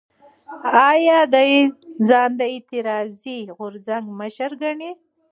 ایا ده ځان د اعتراضي غورځنګ مشر ګڼي؟